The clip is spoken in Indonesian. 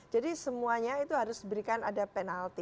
jadi semuanya itu harus diberikan ada penalti